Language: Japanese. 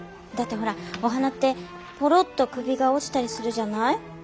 だってほらお花ってポロッと首が落ちたりするじゃない。